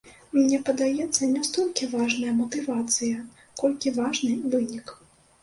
Мне падаецца, не столькі важная матывацыя, колькі важны вынік.